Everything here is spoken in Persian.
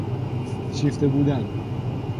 شیفته بودن